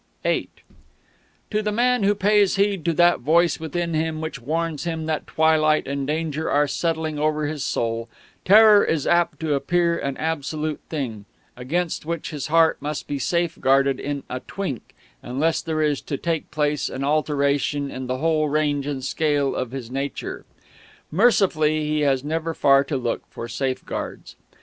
VIII To the man who pays heed to that voice within him which warns him that twilight and danger are settling over his soul, terror is apt to appear an absolute thing, against which his heart must be safeguarded in a twink unless there is to take place an alteration in the whole range and scale of his nature. Mercifully, he has never far to look for safeguards.